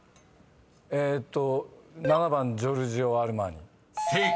えーっと７番「ジョルジオ・アルマーニ」［正解。